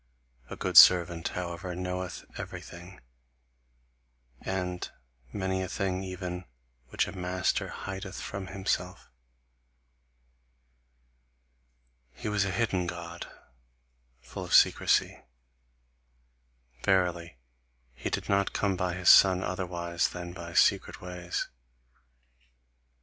A good servant, however, knoweth everything, and many a thing even which a master hideth from himself. He was a hidden God, full of secrecy. Verily, he did not come by his son otherwise than by secret ways.